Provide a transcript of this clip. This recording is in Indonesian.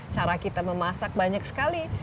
cara kita memasak banyak sekali